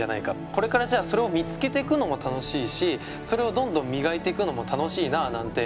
これからじゃあそれを見つけてくのも楽しいしそれをどんどん磨いていくのも楽しいななんて。